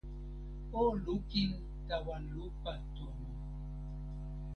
o lukin tawa lupa tomo.